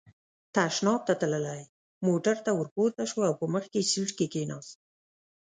تشناب ته تللی، موټر ته ور پورته شو او په مخکې سېټ کې کېناست.